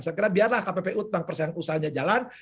saya kira biarlah kppu tentang perusahaannya jalan